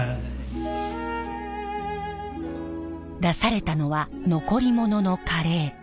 出されたのは残り物のカレー。